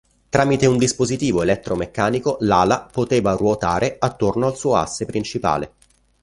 Tramite un dispositivo elettromeccanico l'ala poteva ruotare attorno al suo asse principale.